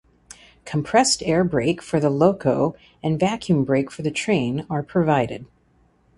Compressed air brake for the loco and vacuum brake for the train are provided.